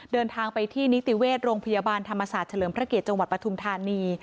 เดินทางไปที่นิติเวชโรงพยาบาลธรรมศาสตร์เฉลิมพระเกียรติจังหวัดปฐุมธานี